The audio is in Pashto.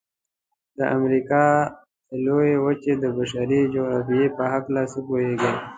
د امریکا د لویې وچې د بشري جغرافیې په هلکه څه پوهیږئ؟